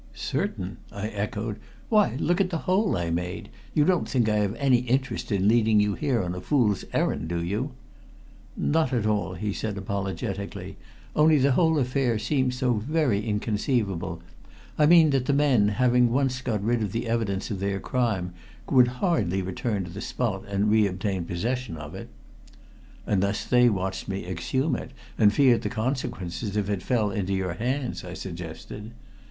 "Certain?" I echoed. "Why, look at the hole I made. You don't think I have any interest in leading you here on a fool's errand, do you?" "Not at all," he said apologetically. "Only the whole affair seems so very inconceivable I mean that the men, having once got rid of the evidence of their crime, would hardly return to the spot and re obtain possession of it." "Unless they watched me exhume it, and feared the consequences if it fell into your hands," I suggested.